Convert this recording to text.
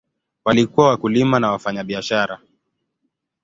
Walikuwa wakulima na wafanyabiashara.